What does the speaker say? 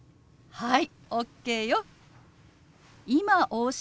はい！